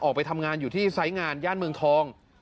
ออกไปทำงานอยู่ที่ไซส์งานย่านเมืองทอง